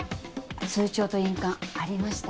通帳と印鑑ありました。